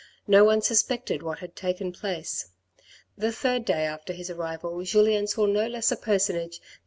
No one suspected what had taken place. The third day after his arrival Julien saw no less a personage than M.